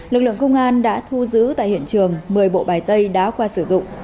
lực lượng công an đã thu giữ tại hiện trường một mươi bộ bài tây đá khoa sử dụng